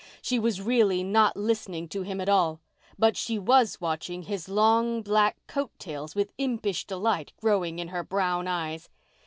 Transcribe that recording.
She was really not listening to him at all. But she was watching his long black coat tails with impish delight growing in her brown eyes.